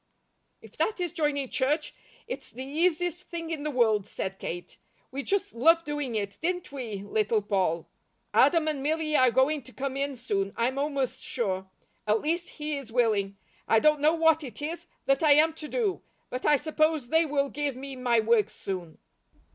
"If that is joining church, it's the easiest thing in the world," said Kate. "We just loved doing it, didn't we, Little Poll? Adam and Milly are going to come in soon, I'm almost sure. At least he is willing. I don't know what it is that I am to do, but I suppose they will give me my work soon."